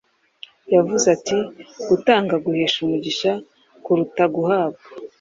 yavuze ati: ‘Gutanga guhesha umugisha kuruta guhabwa.’